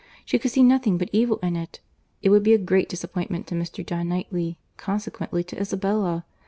She could see nothing but evil in it. It would be a great disappointment to Mr. John Knightley; consequently to Isabella.